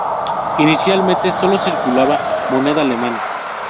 Inicialmente solo circulaba moneda alemana.